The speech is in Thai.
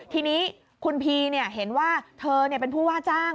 ทีนี้คุณพีเห็นว่าเธอเป็นผู้ว่าจ้าง